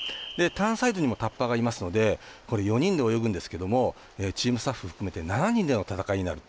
ターンサイドにもタッパーがいますので４人で泳ぐんですけどもチームスタッフ含めて７人での戦いになる。